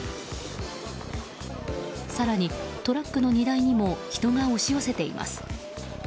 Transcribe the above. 更に、トラックの荷台にも人が押し寄せています。